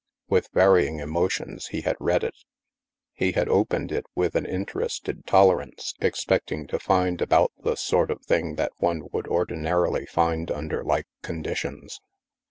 With varying emotions, he had read it. He had opened it with an interested tolerance, expecting to find about the sort of thing that one would ordinarily HAVEN 2'jy find under like conditions.